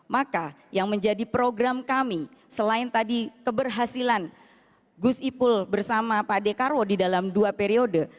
maka yang menjadi program kami selain tadi keberhasilan gus ipul bersama pak dekarwo di dalam dua periode